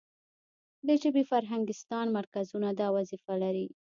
د ژبې فرهنګستان مرکزونه دا وظیفه لري.